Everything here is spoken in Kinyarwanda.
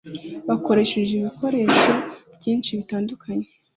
Bakoresheje ibikoresho byinshi bitandukanye